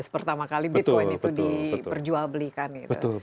sepertama kali bitcoin itu diperjual belikan